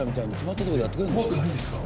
怖くないんですか？